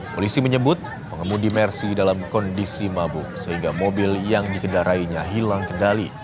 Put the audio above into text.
polisi menyebut pengemudi mercy dalam kondisi mabuk sehingga mobil yang dikendarainya hilang kendali